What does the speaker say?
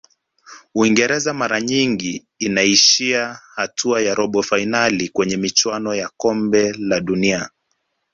uingereza mara nyingi inaishia hatua ya robo fainali kwenye michuano ya kombe la dunia